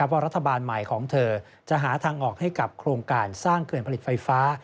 ว่ารัฐบาลใหม่ของเธอจะหาทางออกให้กับโครงการสร้างเขื่อนผลิตไฟฟ้า